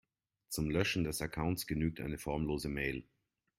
Zum Löschen des Accounts genügt eine formlose Mail.